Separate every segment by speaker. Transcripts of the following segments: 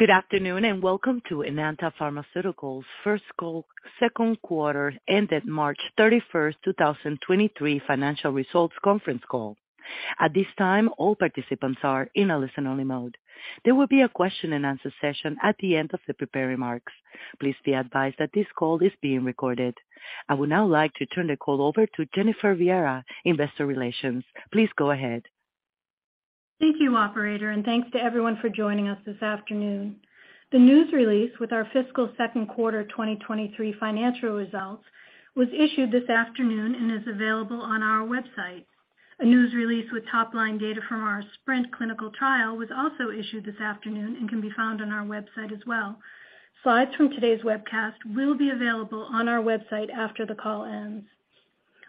Speaker 1: Good afternoon, and welcome to Enanta Pharmaceuticals' first call, second quarter ended March 31st, 2023 financial results conference call. At this time, all participants are in a listen-only mode. There will be a question and answer session at the end of the prepared remarks. Please be advised that this call is being recorded. I would now like to turn the call over to Jennifer Viera, Investor Relations. Please go ahead.
Speaker 2: Thank you, operator. Thanks to everyone for joining us this afternoon. The news release with our fiscal second quarter 2023 financial results was issued this afternoon and is available on our website. A news release with top-line data from our SPRINT clinical trial was also issued this afternoon and can be found on our website as well. Slides from today's webcast will be available on our website after the call ends.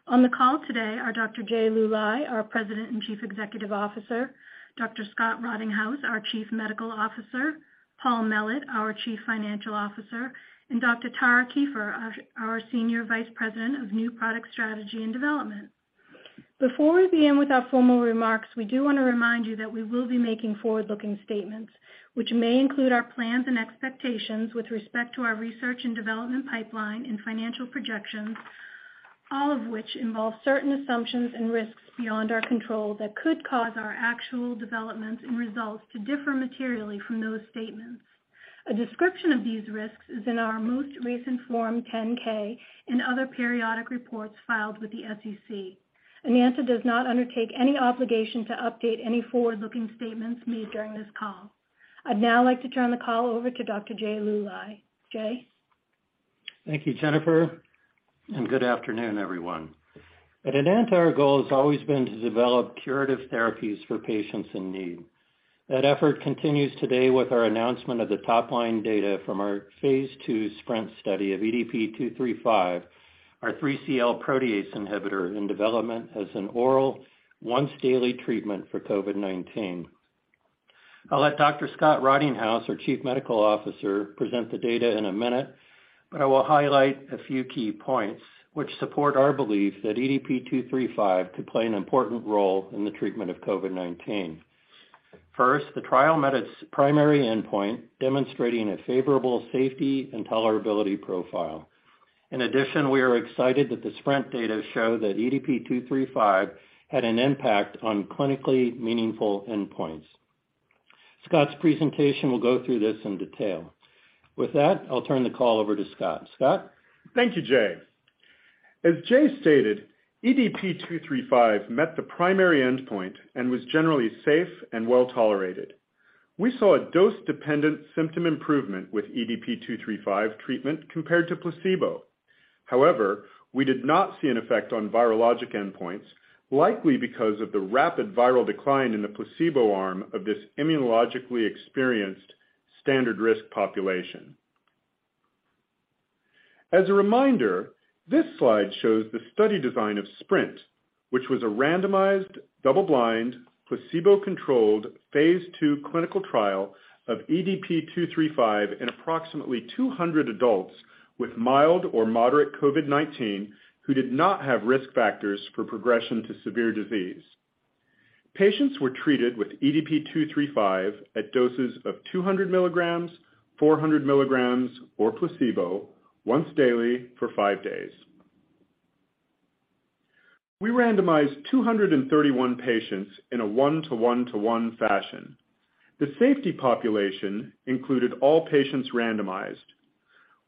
Speaker 2: On the call today are Dr. Jay Liu Lai, our President and Chief Executive Officer, Dr. Scott Rottinghaus, our Chief Medical Officer, Paul Mellett, our Chief Financial Officer, and Dr. Tara Keefer, our Senior Vice President of New Product Strategy and Development. Before we begin with our formal remarks, we do want to remind you that we will be making forward-looking statements which may include our plans and expectations with respect to our research and development pipeline and financial projections, all of which involve certain assumptions and risks beyond our control that could cause our actual developments and results to differ materially from those statements. A description of these risks is in our most recent Form 10-K and other periodic reports filed with the SEC. Enanta does not undertake any obligation to update any forward-looking statements made during this call. I'd now like to turn the call over to Dr. Jay Luly. Jay?
Speaker 3: Thank you, Jennifer, and good afternoon, everyone. At Enanta, our goal has always been to develop curative therapies for patients in need. That effort continues today with our announcement of the top-line data from our phase 2 SPRINT study of EDP-235, our 3CL protease inhibitor in development as an oral once daily treatment for COVID-19. I'll let Dr. Scott Rottinghaus, our Chief Medical Officer, present the data in a minute, but I will highlight a few key points which support our belief that EDP-235 could play an important role in the treatment of COVID-19. First, the trial met its primary endpoint, demonstrating a favorable safety and tolerability profile. In addition, we are excited that the SPRINT data show that EDP-235 had an impact on clinically meaningful endpoints. Scott's presentation will go through this in detail. With that, I'll turn the call over to Scott. Scott?
Speaker 4: Thank you, Jay. As Jay stated, EDP-235 met the primary endpoint and was generally safe and well-tolerated. We saw a dose-dependent symptom improvement with EDP-235 treatment compared to placebo. We did not see an effect on virologic endpoints, likely because of the rapid viral decline in the placebo arm of this immunologically experienced standard risk population. As a reminder, this slide shows the study design of SPRINT, which was a randomized, double-blind, placebo-controlled phase 2 clinical trial of EDP-235 in approximately 200 adults with mild or moderate COVID-19 who did not have risk factors for progression to severe disease. Patients were treated with EDP-235 at doses of 200 milligrams, 400 milligrams or placebo once daily for 5 days. We randomized 231 patients in a 1-to-1 to 1 fashion. The safety population included all patients randomized.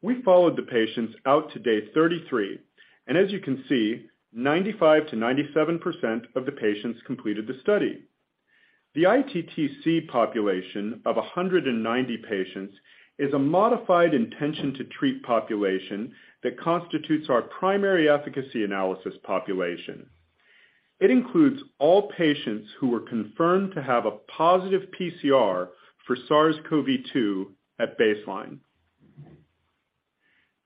Speaker 4: We followed the patients out to day 33, and as you can see, 95%-97% of the patients completed the study. The ITTC population of 190 patients is a modified intention to treat population that constitutes our primary efficacy analysis population. It includes all patients who were confirmed to have a positive PCR for SARS-CoV-2 at baseline.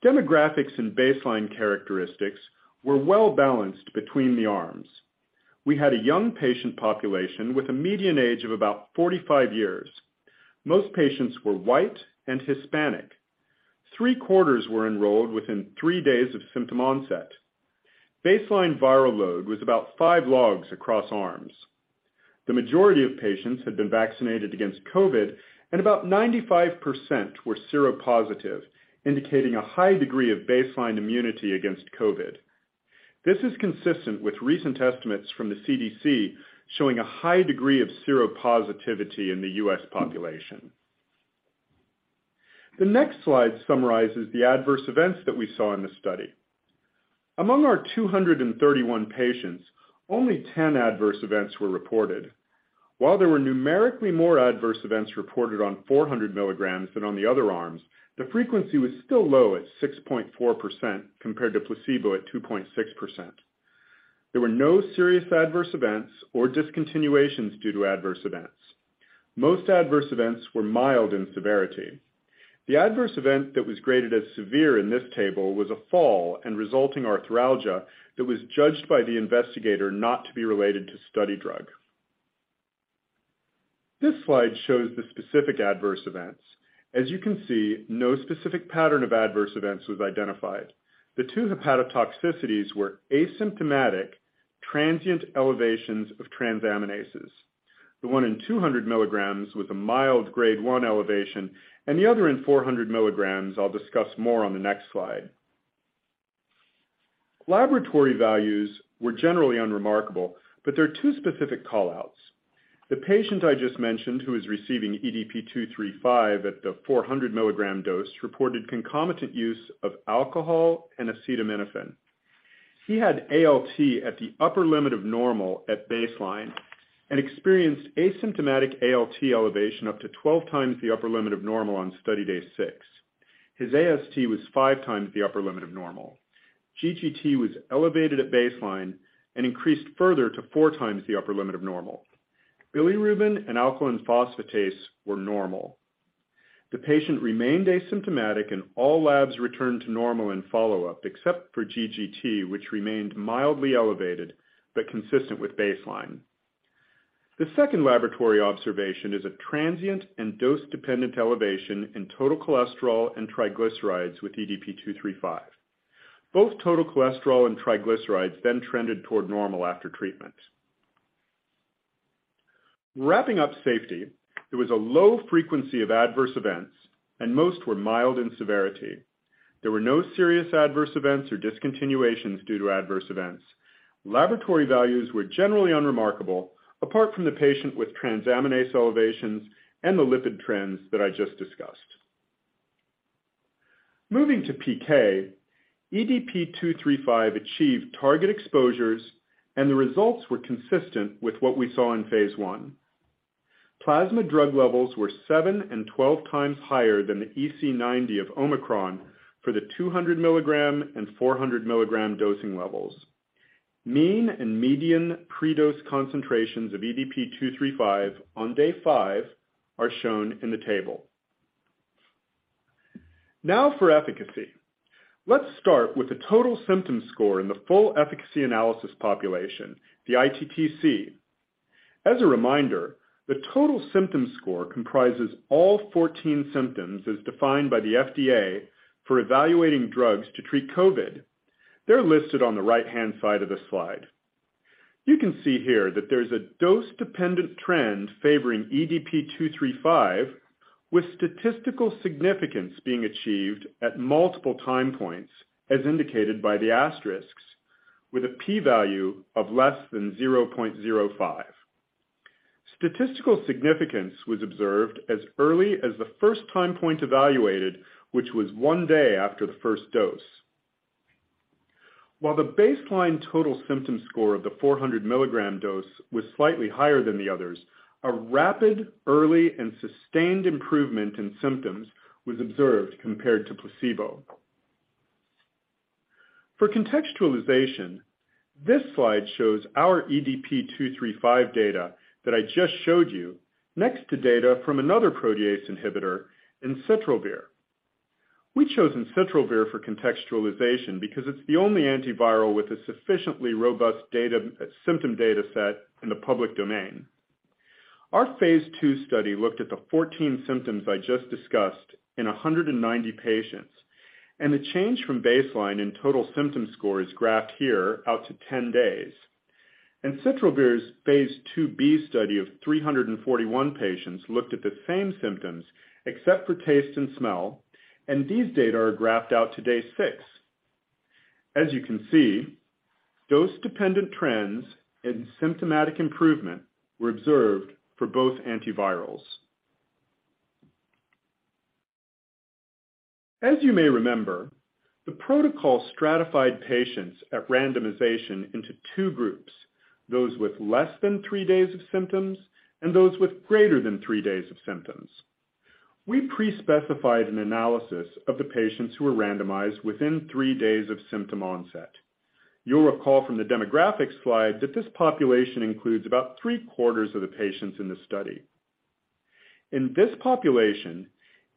Speaker 4: Demographics and baseline characteristics were well-balanced between the arms. We had a young patient population with a median age of about 45 years. Most patients were White and Hispanic. Three-quarters were enrolled within 3 days of symptom onset. Baseline viral load was about 5 logs across arms. The majority of patients had been vaccinated against COVID, and about 95% were seropositive, indicating a high degree of baseline immunity against COVID. This is consistent with recent estimates from the CDC showing a high degree of seropositivity in the U.S. population. The next slide summarizes the adverse events that we saw in the study. Among our 231 patients, only 10 adverse events were reported. While there were numerically more adverse events reported on 400 milligrams than on the other arms, the frequency was still low at 6.4% compared to placebo at 2.6%. There were no serious adverse events or discontinuations due to adverse events. Most adverse events were mild in severity. The adverse event that was graded as severe in this table was a fall and resulting arthralgia that was judged by the investigator not to be related to study drug. This slide shows the specific adverse events. As you can see, no specific pattern of adverse events was identified. The two hepatotoxicities were asymptomatic transient elevations of transaminases, the 1 in 200 milligrams with a mild grade 1 elevation and the other in 400 milligrams, I'll discuss more on the next slide. Laboratory values were generally unremarkable, but there are two specific call-outs. The patient I just mentioned, who is receiving EDP-235 at the 400 milligram dose, reported concomitant use of alcohol and acetaminophen. He had ALT at the upper limit of normal at baseline and experienced asymptomatic ALT elevation up to 12 times the upper limit of normal on study day 6. His AST was 5 times the upper limit of normal. GGT was elevated at baseline and increased further to 4 times the upper limit of normal. Bilirubin and alkaline phosphatase were normal. The patient remained asymptomatic, and all labs returned to normal in follow-up, except for GGT, which remained mildly elevated but consistent with baseline. The second laboratory observation is a transient and dose-dependent elevation in total cholesterol and triglycerides with EDP-235. Both total cholesterol and triglycerides trended toward normal after treatment. Wrapping up safety, there was a low frequency of adverse events, and most were mild in severity. There were no serious adverse events or discontinuations due to adverse events. Laboratory values were generally unremarkable, apart from the patient with transaminase elevations and the lipid trends that I just discussed. Moving to PK, EDP-235 achieved target exposures, and the results were consistent with what we saw in phase 1. Plasma drug levels were 7 and 12 times higher than the EC90 of Omicron for the 200 milligram and 400 milligram dosing levels. Mean and median pre-dose concentrations of EDP-235 on day five are shown in the table. For efficacy. Let's start with the total symptom score in the full efficacy analysis population, the ITTC. As a reminder, the total symptom score comprises all 14 symptoms as defined by the FDA for evaluating drugs to treat COVID-19. They're listed on the right-hand side of this slide. You can see here that there's a dose-dependent trend favoring EDP-235, with statistical significance being achieved at multiple time points, as indicated by the asterisks, with a P value of less than 0.05. Statistical significance was observed as early as the first time point evaluated, which was one day after the first dose. While the baseline total symptom score of the 400 milligram dose was slightly higher than the others, a rapid, early, and sustained improvement in symptoms was observed compared to placebo. For contextualization, this slide shows our EDP-235 data that I just showed you next to data from another protease inhibitor, ensitrelvir. We chose ensitrelvir for contextualization because it's the only antiviral with a sufficiently robust symptom data set in the public domain. Our phase 2 study looked at the 14 symptoms I just discussed in 190 patients, and the change from baseline in total symptom score is graphed here out to 10 days. Ensitrelvir's phase 2B study of 341 patients looked at the same symptoms, except for taste and smell, and these data are graphed out to day 6. As you can see, dose-dependent trends and symptomatic improvement were observed for both antivirals. As you may remember, the protocol stratified patients at randomization into 2 groups, those with less than 3 days of symptoms and those with greater than 3 days of symptoms. We pre-specified an analysis of the patients who were randomized within 3 days of symptom onset. You'll recall from the demographics slide that this population includes about three-quarters of the patients in the study. In this population,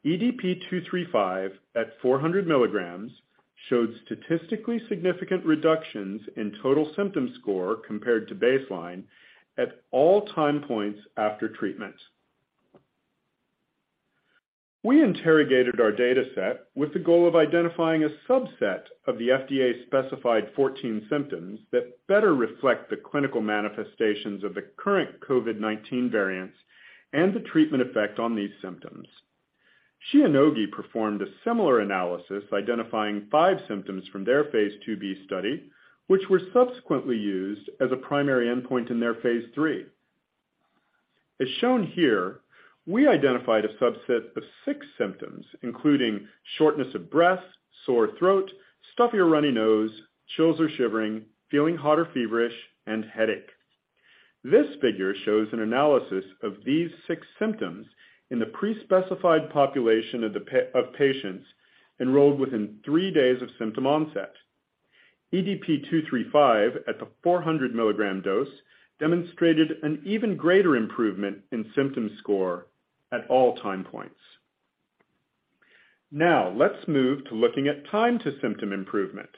Speaker 4: EDP-235 at 400 milligrams showed statistically significant reductions in total symptom score compared to baseline at all time points after treatment. We interrogated our data set with the goal of identifying a subset of the FDA-specified 14 symptoms that better reflect the clinical manifestations of the current COVID-19 variants and the treatment effect on these symptoms. Shionogi performed a similar analysis identifying 5 symptoms from their phase 2b study, which were subsequently used as a primary endpoint in their phase 3. As shown here, we identified a subset of 6 symptoms, including shortness of breath, sore throat, stuffy or runny nose, chills or shivering, feeling hot or feverish, and headache. This figure shows an analysis of these 6 symptoms in the pre-specified population of patients enrolled within 3 days of symptom onset. EDP-235 at the 400 milligram dose demonstrated an even greater improvement in symptom score at all time points. Let's move to looking at time to symptom improvement.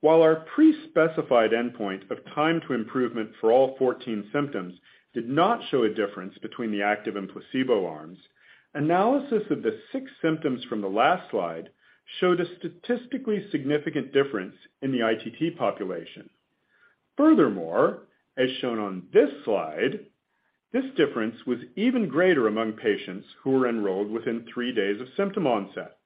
Speaker 4: While our pre-specified endpoint of time to improvement for all 14 symptoms did not show a difference between the active and placebo arms, analysis of the 6 symptoms from the last slide showed a statistically significant difference in the ITT population. As shown on this slide, this difference was even greater among patients who were enrolled within 3 days of symptom onset.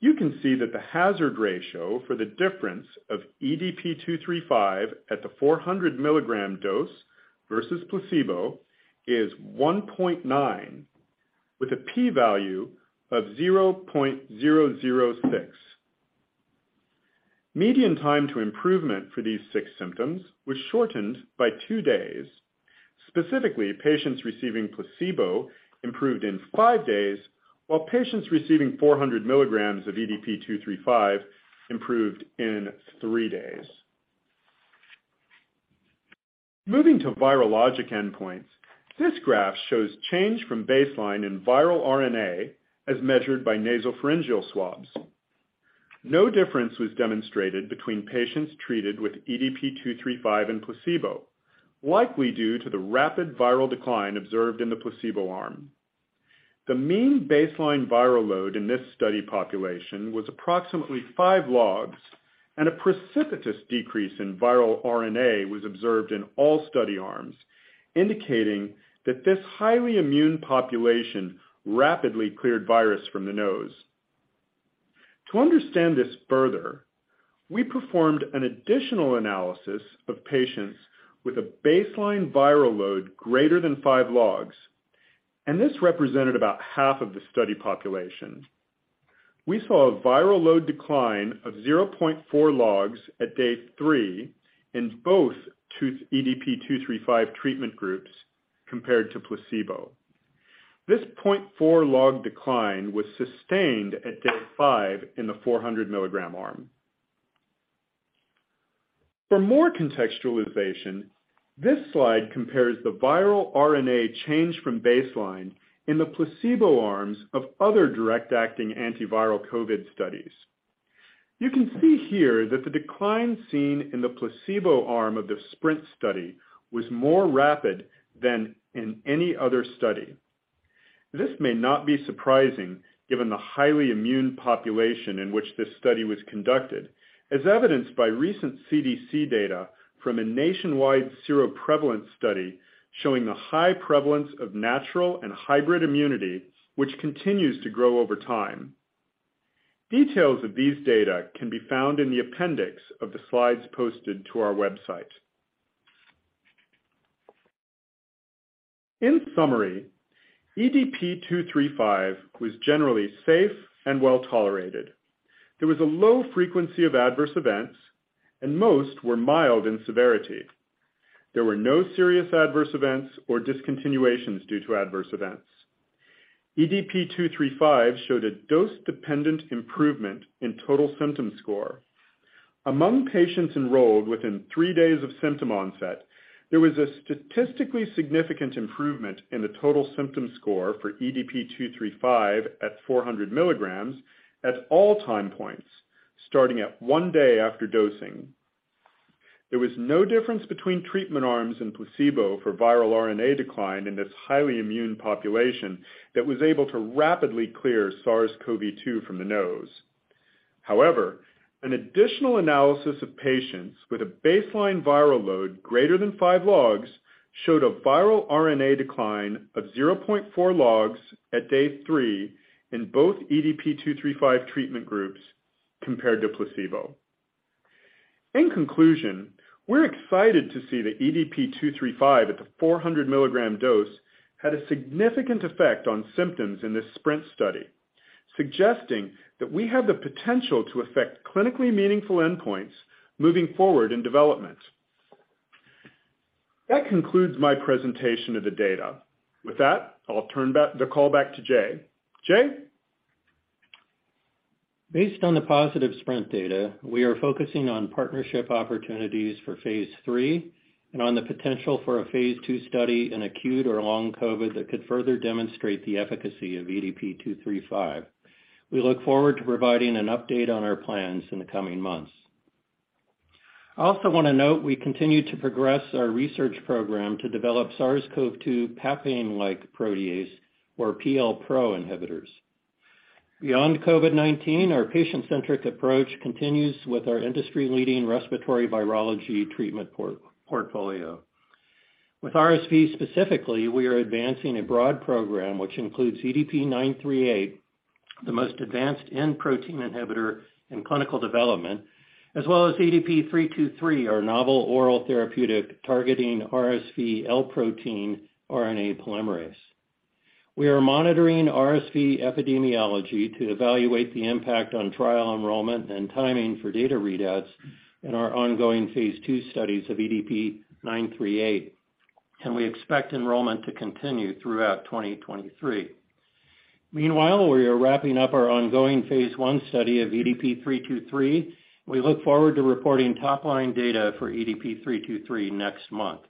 Speaker 4: You can see that the hazard ratio for the difference of EDP-235 at the 400 milligram dose versus placebo is 1.9, with a p-value of 0.006. Median time to improvement for these 6 symptoms was shortened by 2 days. Specifically, patients receiving placebo improved in 5 days, while patients receiving 400 milligrams of EDP-235 improved in 3 days. Moving to virologic endpoints, this graph shows change from baseline in viral RNA as measured by nasopharyngeal swabs. No difference was demonstrated between patients treated with EDP-235 and placebo, likely due to the rapid viral decline observed in the placebo arm. The mean baseline viral load in this study population was approximately 5 logs. A precipitous decrease in viral RNA was observed in all study arms, indicating that this highly immune population rapidly cleared virus from the nose. To understand this further, we performed an additional analysis of patients with a baseline viral load greater than 5 logs, and this represented about half of the study population. We saw a viral load decline of 0.4 logs at day 3 in both EDP-235 treatment groups compared to placebo. This 0.4 log decline was sustained at day 5 in the 400 milligram arm. For more contextualization, this slide compares the viral RNA change from baseline in the placebo arms of other direct-acting antiviral COVID studies. You can see here that the decline seen in the placebo arm of the SPRINT study was more rapid than in any other study. This may not be surprising given the highly immune population in which this study was conducted, as evidenced by recent CDC data from a nationwide seroprevalence study showing the high prevalence of natural and hybrid immunity, which continues to grow over time. Details of these data can be found in the appendix of the slides posted to our website. In summary, EDP-235 was generally safe and well-tolerated. There was a low frequency of adverse events, and most were mild in severity. There were no serious adverse events or discontinuations due to adverse events. EDP-235 showed a dose-dependent improvement in total symptom score. Among patients enrolled within 3 days of symptom onset, there was a statistically significant improvement in the total symptom score for EDP-235 at 400 milligrams at all time points, starting at 1 day after dosing. There was no difference between treatment arms and placebo for viral RNA decline in this highly immune population that was able to rapidly clear SARS-CoV-2 from the nose. However, an additional analysis of patients with a baseline viral load greater than 5 logs showed a viral RNA decline of 0.4 logs at day 3 in both EDP-235 treatment groups compared to placebo. In conclusion, we're excited to see that EDP-235 at the 400 mg dose had a significant effect on symptoms in this SPRINT study, suggesting that we have the potential to affect clinically meaningful endpoints moving forward in development. That concludes my presentation of the data. With that, I'll turn the call back to Jay. Jay?
Speaker 3: Based on the positive SPRINT data, we are focusing on partnership opportunities for phase 3 and on the potential for a phase 2 study in acute or long COVID that could further demonstrate the efficacy of EDP-235. We look forward to providing an update on our plans in the coming months. I also want to note we continue to progress our research program to develop SARS-CoV-2 papain-like protease, or PLpro inhibitors. Beyond COVID-19, our patient-centric approach continues with our industry-leading respiratory virology treatment portfolio. With RSV specifically, we are advancing a broad program which includes EDP-938, the most advanced N-protein inhibitor in clinical development, as well as EDP-323, our novel oral therapeutic targeting RSV L-protein RNA polymerase. We are monitoring RSV epidemiology to evaluate the impact on trial enrollment and timing for data readouts in our ongoing phase 2 studies of EDP-938. We expect enrollment to continue throughout 2023. Meanwhile, we are wrapping up our ongoing phase 1 study of EDP-323. We look forward to reporting top-line data for EDP-323 next month.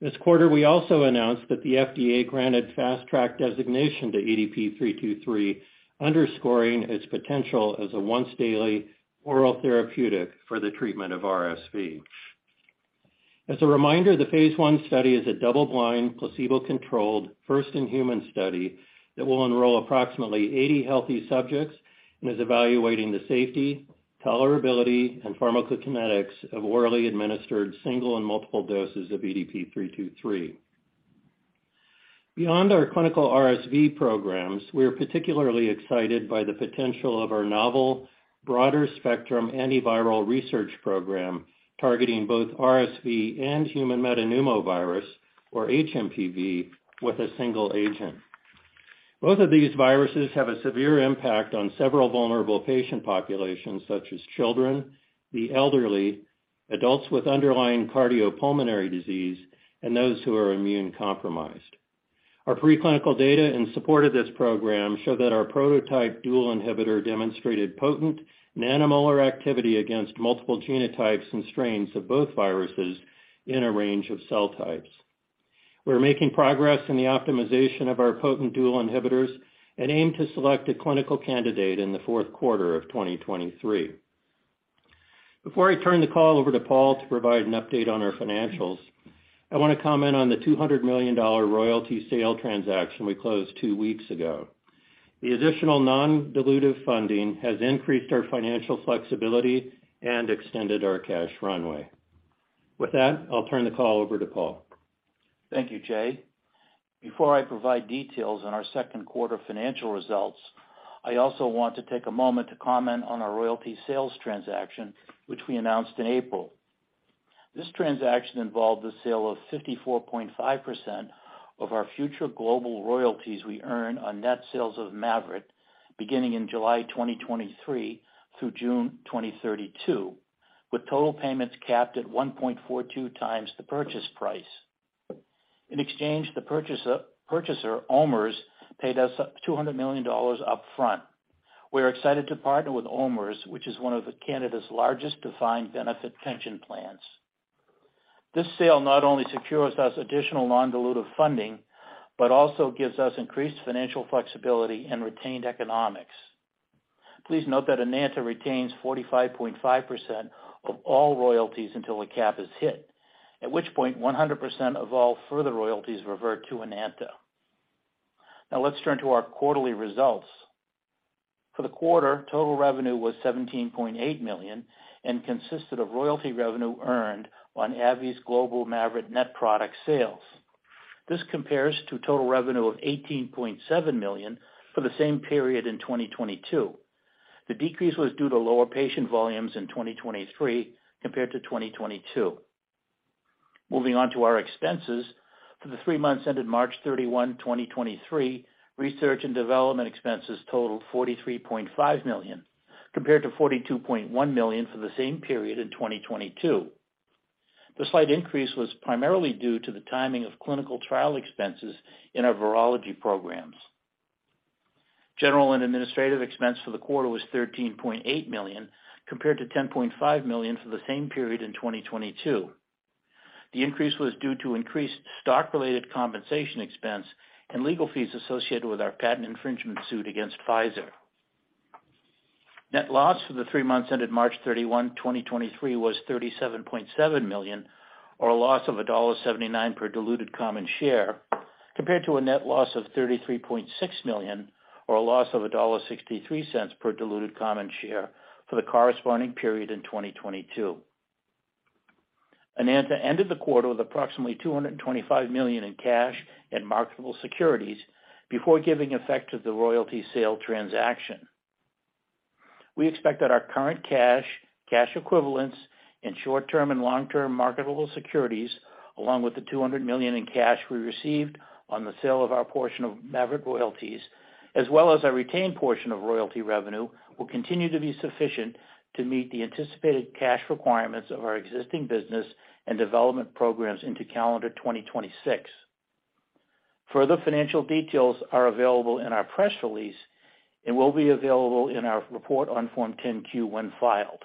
Speaker 3: This quarter, we also announced that the FDA granted Fast Track designation to EDP-323, underscoring its potential as a once-daily oral therapeutic for the treatment of RSV. As a reminder, the phase 1 study is a double-blind, placebo-controlled first in human study that will enroll approximately 80 healthy subjects and is evaluating the safety, tolerability, and pharmacokinetics of orally administered single and multiple doses of EDP-323. Beyond our clinical RSV programs, we are particularly excited by the potential of our novel broader spectrum antiviral research program targeting both RSV and human metapneumovirus, or HMPV, with a single agent. Both of these viruses have a severe impact on several vulnerable patient populations such as children, the elderly, adults with underlying cardiopulmonary disease, and those who are immune-compromised. Our pre-clinical data in support of this program show that our prototype dual inhibitor demonstrated potent nanomolar activity against multiple genotypes and strains of both viruses in a range of cell types. We're making progress in the optimization of our potent dual inhibitors and aim to select a clinical candidate in the fourth quarter of 2023. Before I turn the call over to Paul to provide an update on our financials, I want to comment on the $200 million royalty sale transaction we closed two weeks ago. The additional non-dilutive funding has increased our financial flexibility and extended our cash runway. With that, I'll turn the call over to Paul.
Speaker 5: Thank you, Jay. Before I provide details on our second quarter financial results, I also want to take a moment to comment on our royalty sales transaction, which we announced in April. This transaction involved the sale of 54.5% of our future global royalties we earn on net sales of MAVYRET beginning in July 2023 through June 2032, with total payments capped at 1.42x the purchase price. In exchange, the purchaser, OMERS, paid us $200 million upfront. We're excited to partner with OMERS, which is one of Canada's largest defined benefit pension plans. This sale not only secures us additional non-dilutive funding, but also gives us increased financial flexibility and retained economics. Please note that Enanta retains 45.5% of all royalties until the cap is hit, at which point 100% of all further royalties revert to Enanta. Let's turn to our quarterly results. For the quarter, total revenue was $17.8 million and consisted of royalty revenue earned on AbbVie's global MAVYRET net product sales. This compares to total revenue of $18.7 million for the same period in 2022. The decrease was due to lower patient volumes in 2023 compared to 2022. Moving on to our expenses. For the three months ended March 31, 2023, research and development expenses totaled $43.5 million, compared to $42.1 million for the same period in 2022. The slight increase was primarily due to the timing of clinical trial expenses in our virology programs. General and administrative expense for the quarter was $13.8 million, compared to $10.5 million for the same period in 2022. The increase was due to increased stock-related compensation expense and legal fees associated with our patent infringement suit against Pfizer. Net loss for the three months ended March 31, 2023 was $37.7 million, or a loss of $1.79 per diluted common share, compared to a net loss of $33.6 million, or a loss of $1.63 per diluted common share for the corresponding period in 2022. Enanta ended the quarter with approximately $225 million in cash and marketable securities before giving effect to the royalty sale transaction. We expect that our current cash equivalents, and short-term and long-term marketable securities, along with the $200 million in cash we received on the sale of our portion of MAVYRET royalties, as well as our retained portion of royalty revenue will continue to be sufficient to meet the anticipated cash requirements of our existing business and development programs into calendar 2026. Further financial details are available in our press release and will be available in our report on Form 10-Q when filed.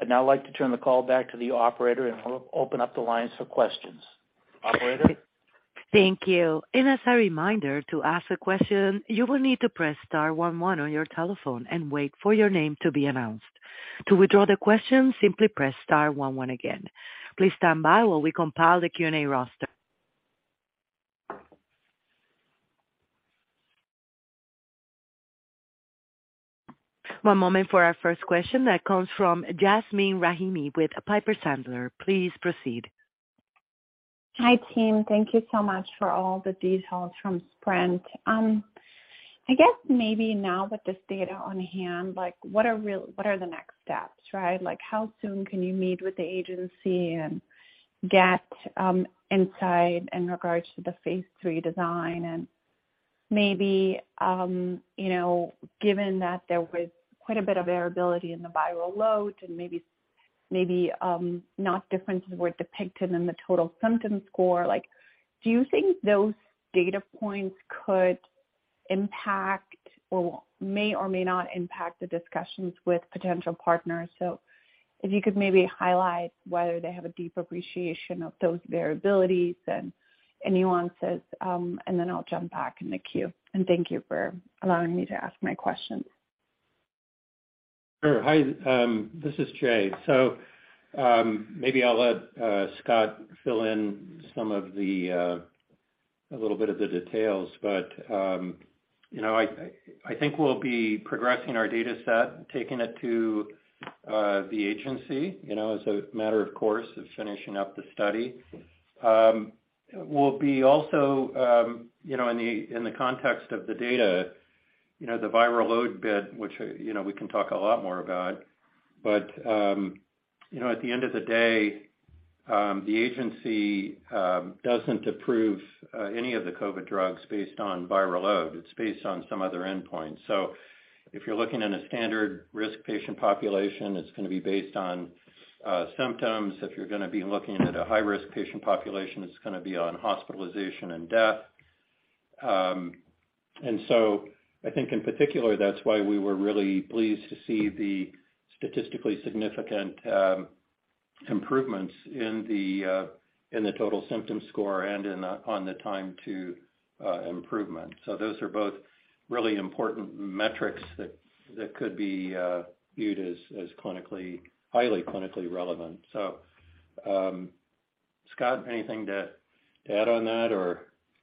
Speaker 5: I'd now like to turn the call back to the operator and open up the lines for questions. Operator?
Speaker 1: Thank you. As a reminder, to ask a question, you will need to press star 11 on your telephone and wait for your name to be announced. To withdraw the question, simply press star 11 again. Please stand by while we compile the Q&A roster. One moment for our first question that comes from Yasmeen Rahimi with Piper Sandler. Please proceed.
Speaker 6: Hi, team. Thank you so much for all the details from SPRINT. I guess maybe now with this data on hand, like what are the next steps, right? Like, how soon can you meet with the agency and get insight in regards to the phase 3 design? Maybe, you know, given that there was quite a bit of variability in the viral load and maybe not differences were depicted in the total symptom score, like do you think those data points could impact or may or may not impact the discussions with potential partners? If you could maybe highlight whether they have a deep appreciation of those variabilities and nuances, and then I'll jump back in the queue. Thank you for allowing me to ask my questions.
Speaker 3: Sure. Hi, this is Jay. Maybe I'll let Scott fill in a little bit of the details. You know, I think we'll be progressing our data set, taking it to the Agency, you know, as a matter of course of finishing up the study. We'll be also, you know, in the context of the data, you know, the viral load bit, which, you know, we can talk a lot more about. At the end of the day, you know, the Agency doesn't approve any of the COVID drugs based on viral load. It's based on some other endpoint. If you're looking at a standard risk patient population, it's going to be based on symptoms. If you're going to be looking at a high-risk patient population, it's going to be on hospitalization and death. I think in particular, that's why we were really pleased to see the statistically significant improvements in the total symptom score and in the on the time to improvement. Those are both really important metrics that could be viewed as clinically, highly clinically relevant. Scott, anything to add on that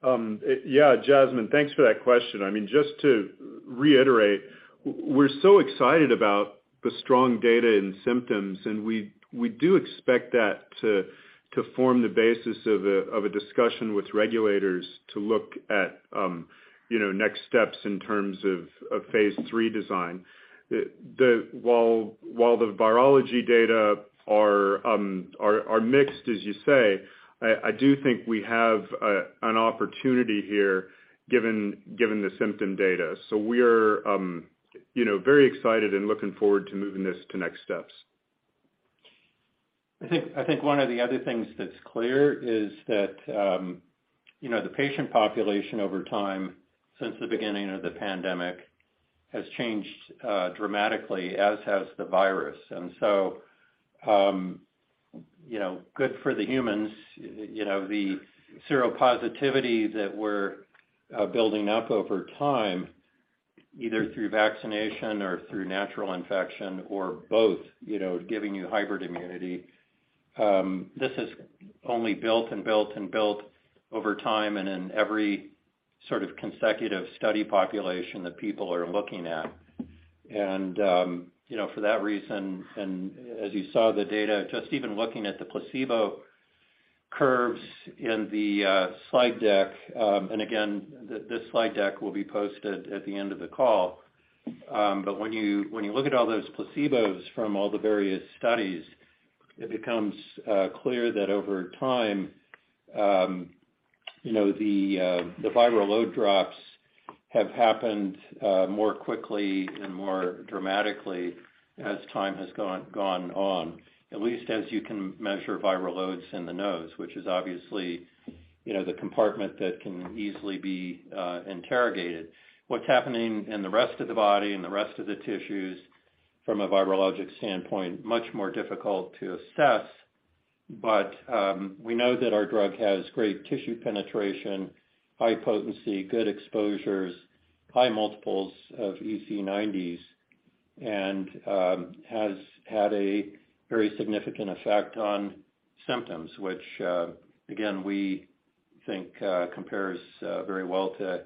Speaker 3: or?
Speaker 4: Yeah, Jasmine, thanks for that question. I mean, just to reiterate, we're so excited about the strong data in symptoms, and we do expect that to form the basis of a discussion with regulators to look at, you know, next steps in terms of phase 3 design. While the virology data are mixed as you say, I do think we have an opportunity here given the symptom data. We're, you know, very excited and looking forward to moving this to next steps.
Speaker 3: I think one of the other things that's clear is that, you know, the patient population over time since the beginning of the pandemic has changed dramatically as has the virus. You know, good for the humans, you know, the seropositivity that we're building up over time, either through vaccination or through natural infection or both, you know, giving you hybrid immunity, this has only built and built and built over time and in every sort of consecutive study population that people are looking at. You know, for that reason, as you saw the data, just even looking at the placebo curves in the slide deck, this slide deck will be posted at the end of the call. When you, when you look at all those placebos from all the various studies, it becomes clear that over time, you know, the viral load drops have happened more quickly and more dramatically as time has gone on, at least as you can measure viral loads in the nose, which is obviously, you know, the compartment that can easily be interrogated. What's happening in the rest of the body and the rest of the tissues from a virologic standpoint, much more difficult to assess. We know that our drug has great tissue penetration, high potency, good exposures, high multiples of EC90s, and has had a very significant effect on symptoms, which again, we think compares very well to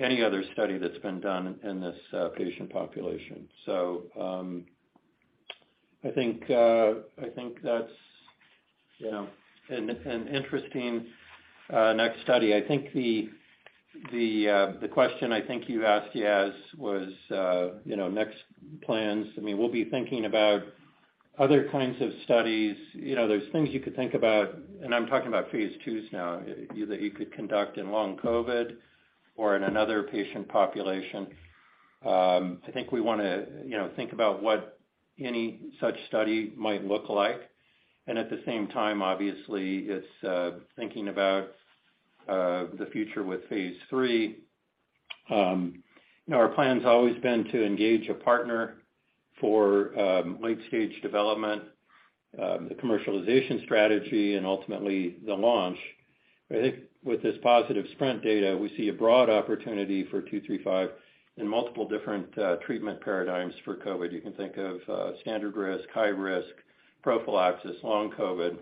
Speaker 3: any other study that's been done in this patient population. I think that's, you know, an interesting next study. I think the question I think you asked, Yas, was, you know, next plans. I mean, we'll be thinking about other kinds of studies. You know, there's things you could think about, I'm talking about phase 2s now, that you could conduct in long COVID or in another patient population. I think we want to, you know, think about what any such study might look like. At the same time, obviously it's thinking about the future with phase 3. You know, our plan's always been to engage a partner for late-stage development, the commercialization strategy and ultimately the launch. I think with this positive SPRINT data, we see a broad opportunity for 235 in multiple different treatment paradigms for COVID. You can think of, standard risk, high risk, prophylaxis, long COVID.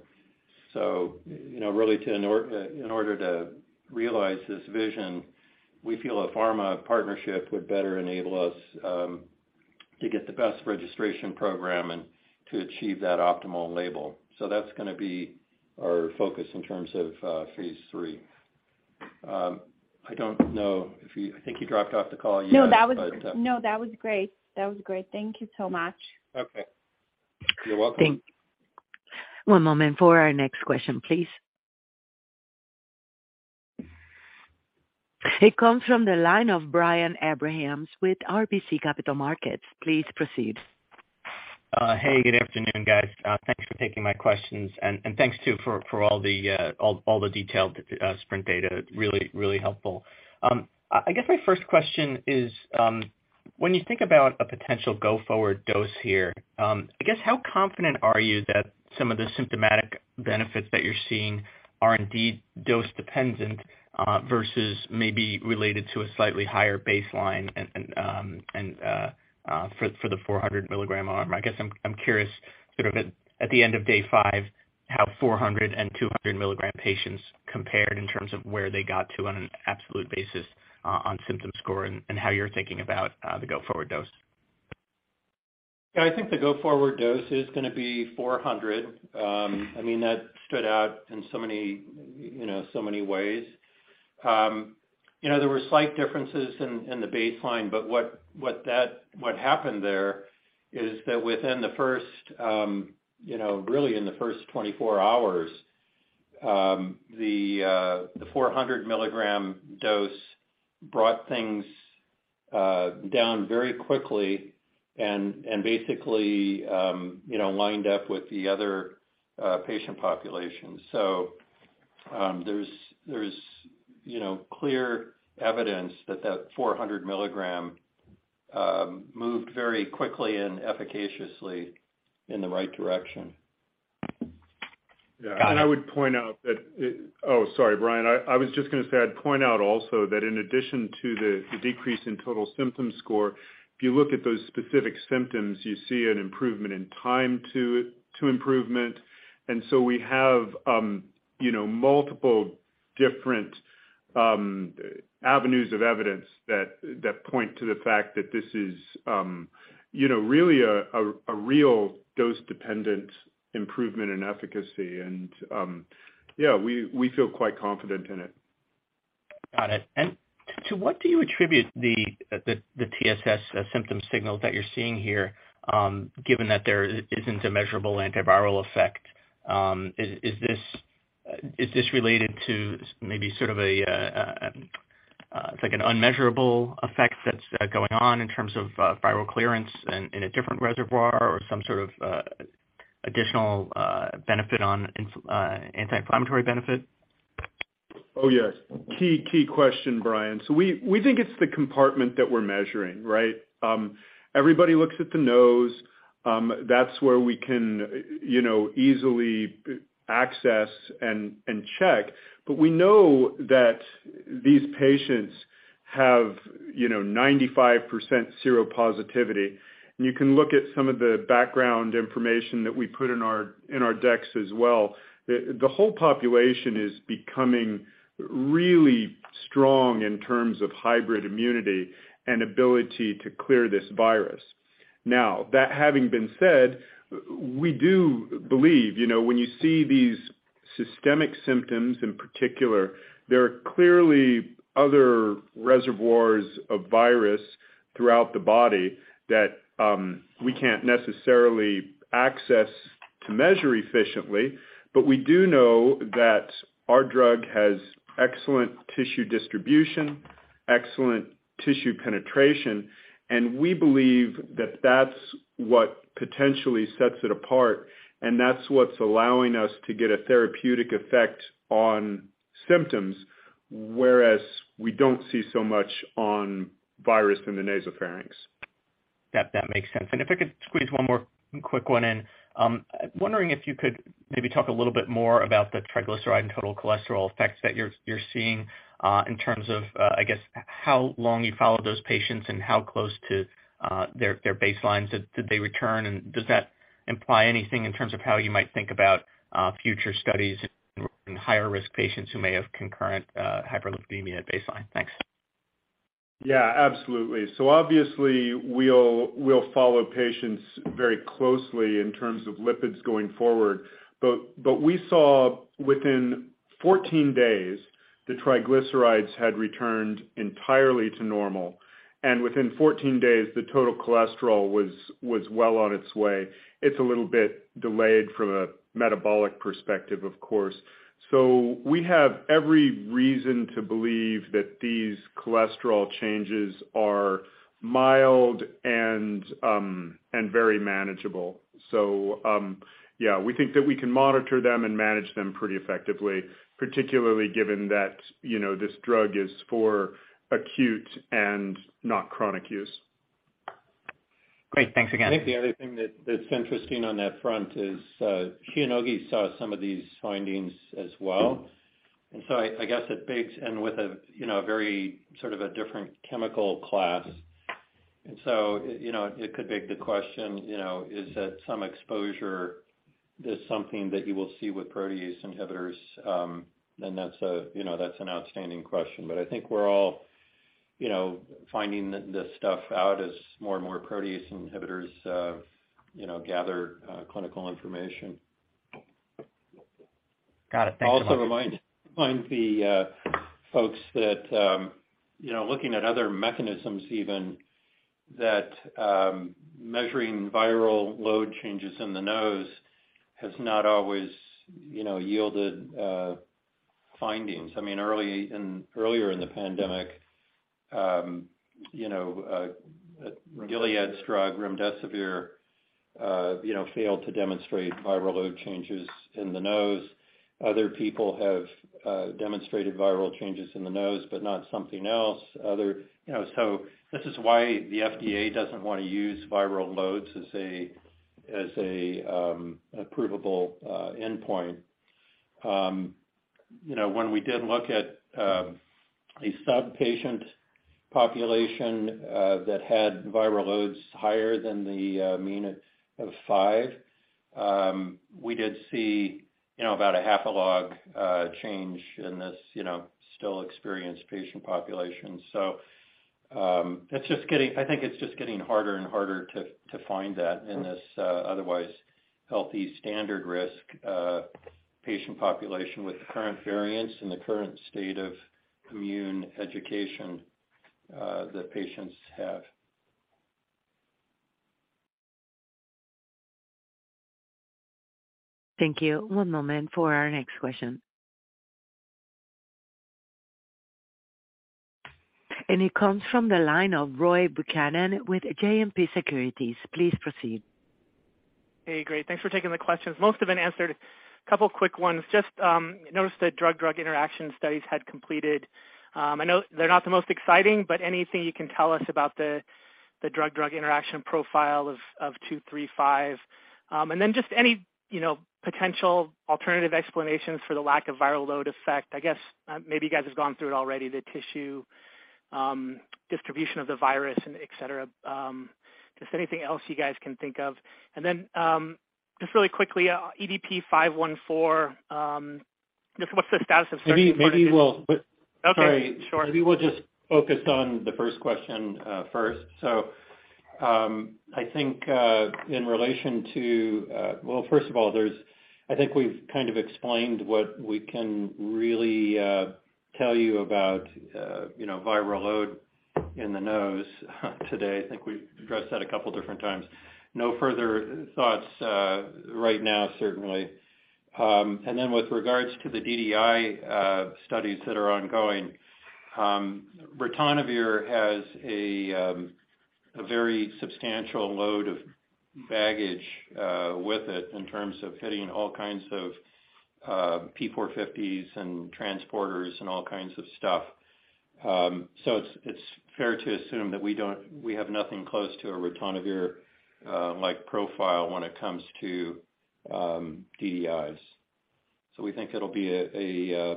Speaker 3: You know, really to in order to realize this vision, we feel a pharma partnership would better enable us, to get the best registration program and to achieve that optimal label. That's going to be our focus in terms of, phase 3. I don't know if you. I think you dropped off the call, Yes, but.
Speaker 6: No, that was great. That was great. Thank you so much.
Speaker 3: Okay. You're welcome.
Speaker 1: One moment for our next question, please. It comes from the line of Brian Abrahams with RBC Capital Markets. Please proceed.
Speaker 7: Hey, good afternoon, guys. Thanks for taking my questions and thanks too for all the detailed SPRINT data. Really helpful. I guess my first question is, when you think about a potential go-forward dose here, I guess how confident are you that some of the symptomatic benefits that you're seeing are indeed dose-dependent versus maybe related to a slightly higher baseline and for the 400 milligram arm? I guess I'm curious, sort of at the end of day 5, how 400 and 200 milligram patients compared in terms of where they got to on an absolute basis on symptom score, and how you're thinking about the go-forward dose?
Speaker 3: Yeah, I think the go-forward dose is going to be 400. I mean, that stood out in so many, you know, so many ways. you know, there were slight differences in the baseline, but what happened there is that within the first, you know, really in the first 24 hours, the 400 milligram dose brought things down very quickly and basically, you know, lined up with the other patient population. There's, you know, clear evidence that that 400 milligram moved very quickly and efficaciously in the right direction.
Speaker 7: Got it.
Speaker 4: Yeah. I would point out that, Oh, sorry, Brian. I was just going to say, I'd point out also that in addition to the decrease in total symptom score, if you look at those specific symptoms, you see an improvement in time to improvement. We have, you know, multiple different avenues of evidence that point to the fact that this is, you know, really a real dose-dependent improvement in efficacy. Yeah, we feel quite confident in it.
Speaker 7: Got it. To what do you attribute the TSS symptom signal that you're seeing here, given that there isn't a measurable antiviral effect? Is this related to maybe sort of a, it's like an unmeasurable effect that's going on in terms of viral clearance in a different reservoir or some sort of additional benefit on anti-inflammatory benefit?
Speaker 4: Oh, yes. Key question, Brian. We think it's the compartment that we're measuring, right? Everybody looks at the nose, that's where we can, you know, easily access and check. We know that these patients have, you know, 95% seropositivity. You can look at some of the background information that we put in our decks as well. The whole population is becoming really strong in terms of hybrid immunity and ability to clear this virus. Now, that having been said, we do believe, you know, when you see these systemic symptoms in particular, there are clearly other reservoirs of virus throughout the body that we can't necessarily access to measure efficiently. We do know that our drug has excellent tissue distribution, excellent tissue penetration, and we believe that that's what potentially sets it apart and that's what's allowing us to get a therapeutic effect on symptoms, whereas we don't see so much on virus in the nasopharynx.
Speaker 7: That makes sense. If I could squeeze one more quick one in. Wondering if you could maybe talk a little bit more about the triglyceride and total cholesterol effects that you're seeing in terms of how long you followed those patients and how close to their baselines did they return? Does that imply anything in terms of how you might think about future studies in higher risk patients who may have concurrent hyperlipidemia at baseline? Thanks.
Speaker 4: Absolutely. Obviously, we'll follow patients very closely in terms of lipids going forward. We saw within 14 days, the triglycerides had returned entirely to normal, and within 14 days, the total cholesterol was well on its way. It's a little bit delayed from a metabolic perspective, of course. We have every reason to believe that these cholesterol changes are mild and very manageable. Yeah, we think that we can monitor them and manage them pretty effectively, particularly given that, you know, this drug is for acute and not chronic use.
Speaker 7: Great. Thanks again.
Speaker 3: I think the other thing that's interesting on that front is Shionogi saw some of these findings as well. I guess it begs and with a, you know, a very sort of a different chemical class. You know, it could beg the question, you know, is that some exposure is something that you will see with protease inhibitors? That's a, you know, that's an outstanding question. I think we're all, you know, finding this stuff out as more and more protease inhibitors, you know, gather clinical information.
Speaker 7: Got it. Thanks so much.
Speaker 3: Also remind the folks that, you know, looking at other mechanisms even, that measuring viral load changes in the nose has not always, you know, yielded findings. I mean, earlier in the pandemic, you know, Gilead's drug, Remdesivir. You know, failed to demonstrate viral load changes in the nose. Other people have demonstrated viral changes in the nose, but not something else. Other. You know, this is why the FDA doesn't want to use viral loads as an approvable endpoint. You know, when we did look at a sub-patient population that had viral loads higher than the mean of 5, we did see, you know, about a half a log change in this, you know, still experienced patient population. It's just getting. I think it's just getting harder and harder to find that in this otherwise healthy standard risk patient population with the current variants and the current state of immune education that patients have.
Speaker 1: Thank you. One moment for our next question. It comes from the line of Roy Buchanan with JMP Securities. Please proceed.
Speaker 8: Hey, great. Thanks for taking the questions. Most have been answered. A couple quick ones. Just noticed that drug-drug interaction studies had completed. I know they're not the most exciting, but anything you can tell us about the drug-drug interaction profile of EDP-235. Just any, you know, potential alternative explanations for the lack of viral load effect. I guess, maybe you guys have gone through it already, the tissue, distribution of the virus and et cetera. Just anything else you guys can think of. Just really quickly, EDP-514, just what's the status of searching for.
Speaker 3: Maybe we'll.
Speaker 8: Okay. Sure.
Speaker 3: Sorry. Maybe we'll just focus on the first question, first. I think, in relation to. Well, first of all, I think we've kind of explained what we can really tell you about, you know, viral load in the nose today. I think we've addressed that a couple different times. No further thoughts, right now, certainly. With regards to the DDI studies that are ongoing, ritonavir has a very substantial load of baggage with it in terms of hitting all kinds of P450s and transporters and all kinds of stuff. It's fair to assume that we have nothing close to a ritonavir like profile when it comes to DDIs. We think it'll be a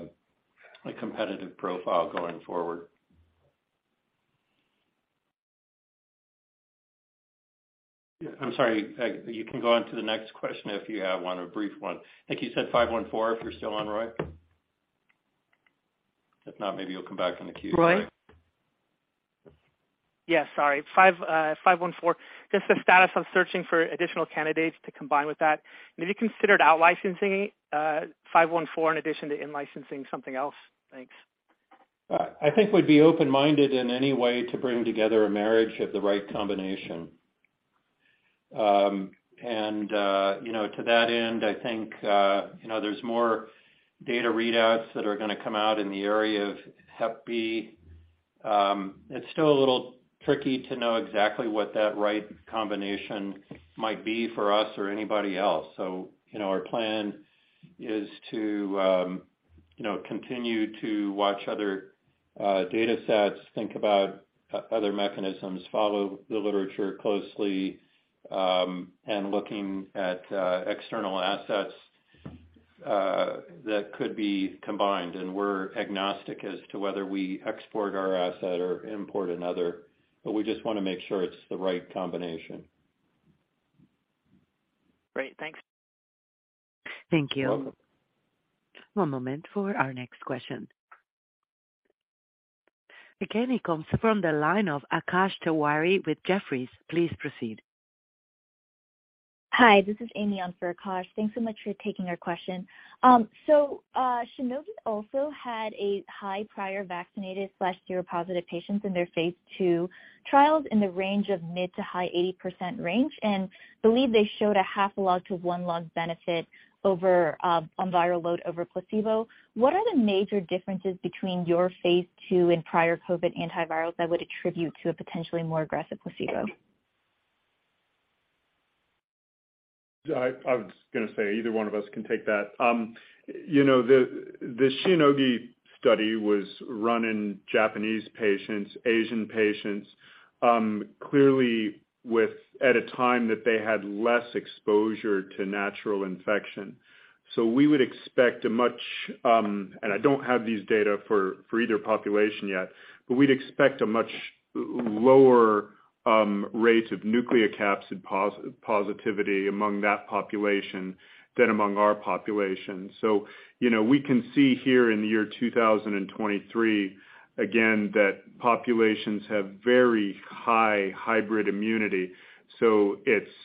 Speaker 3: competitive profile going forward. I'm sorry. You can go on to the next question if you have one, a brief one. I think you said EDP-514, if you're still on, Roy. If not, maybe you'll come back in the queue.
Speaker 1: Roy?
Speaker 8: Yeah. Sorry. 514, just the status on searching for additional candidates to combine with that. Have you considered out-licensing 514 in addition to in-licensing something else? Thanks.
Speaker 3: I think we'd be open-minded in any way to bring together a marriage of the right combination. You know, to that end, I think, you know, there's more data readouts that are going to come out in the area of Hep B. It's still a little tricky to know exactly what that right combination might be for us or anybody else. You know, our plan is to, you know, continue to watch other datasets, think about other mechanisms, follow the literature closely, and looking at external assets that could be combined. We're agnostic as to whether we export our asset or import another, but we just want to make sure it's the right combination.
Speaker 8: Great. Thanks.
Speaker 1: Thank you.
Speaker 3: Welcome.
Speaker 1: One moment for our next question. Again, it comes from the line of Akash Tewari with Jefferies. Please proceed.
Speaker 9: Hi, this is Amy on for Akash. Thanks so much for taking our question. Shionogi also had a high prior vaccinated/seropositive patients in their phase two trials in the range of mid to high 80% range, and believe they showed a half a log to one log benefit over on viral load over placebo. What are the major differences between your phase two and prior COVID antivirals that would attribute to a potentially more aggressive placebo?
Speaker 3: I was going to say either one of us can take that. you know, the Shionogi study was run in Japanese patients, Asian patients, clearly with at a time that they had less exposure to natural infection. We would expect. I don't have these data for either population yet, but we'd expect a much lower rate of nucleocapsid positivity among that population than among our population. you know, we can see here in the year 2023 again, that populations have very high hybrid immunity. it's